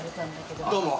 どうも。